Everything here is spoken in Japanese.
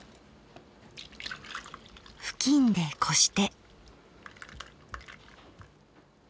布巾でこして。